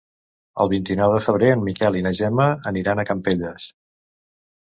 El vint-i-nou de febrer en Miquel i na Gemma aniran a Campelles.